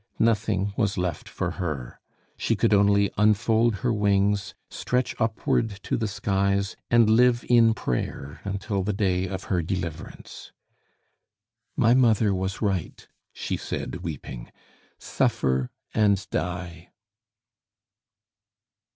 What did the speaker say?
Nothing was left for her; she could only unfold her wings, stretch upward to the skies, and live in prayer until the day of her deliverance. "My mother was right," she said, weeping. "Suffer and die!"